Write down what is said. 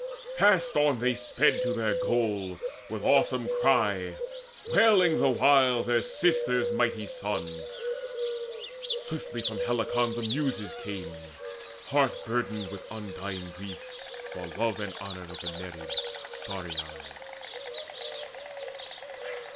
Fast On sped they to their goal, with awesome cry Wailing the while their sister's mighty son. Swiftly from Helicon the Muses came Heart burdened with undying grief, for love And honour to the Nereid starry eyed.